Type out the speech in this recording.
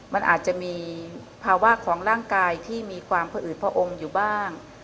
มันอาจจะมีภาวะของร่างกายที่มีความผอืดพระองค์อยู่บ้าง